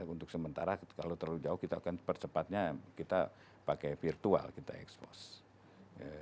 untuk sementara kalau terlalu jauh kita akan percepatnya kita pakai virtual kita expose